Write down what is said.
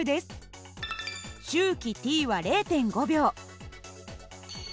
周期Ｔは０．５秒。